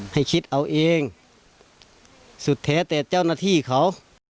ให้คิดเอาเองสุดแท้แต่เจ้าหน้าที่เขา